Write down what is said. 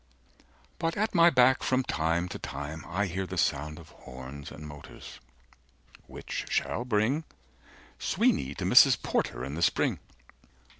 195 But at my back from time to time I hear The sound of horns and motors, which shall bring Sweeney to Mrs. Porter in the spring.